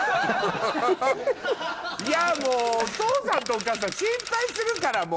いやもうお父さんとお母さん心配するからもう。